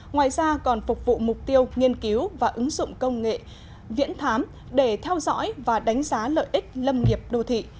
ngoài ra còn phục vụ mục tiêu nghiên cứu và ứng dụng công nghệ viễn thám để theo dõi và đánh giá lợi ích lâm nghiệp đô thị